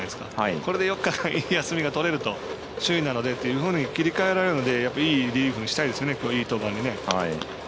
これで４日休みがとれると首位なのでと切り替えられるのでいいリリーフにしたいですね。